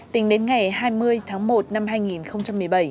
tính đến ngày hai mươi tháng một năm hai nghìn một mươi bảy